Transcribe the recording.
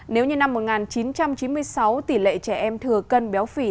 nếu như năm một nghìn chín trăm chín mươi sáu tỷ lệ trẻ em thừa cân béo phì